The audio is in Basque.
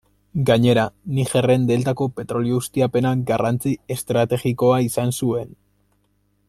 Gainera Nigerren deltako petrolio ustiapenak garrantzi estrategikoa izan zuen.